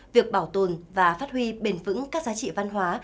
việc bảo tồn và phát huy bền vững các giá trị văn hóa